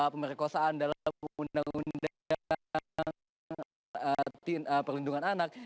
pemerkosaan dalam undang undang perlindungan anak